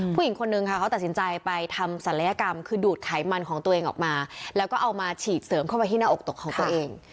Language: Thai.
ผู้หญิงคนนึงค่ะเขาตัดสินใจไปทำศัลยกรรมคือดูดไขมันของตัวเองออกมาแล้วก็เอามาฉีดเสริมเข้าไปที่หน้าอกตกของตัวเอง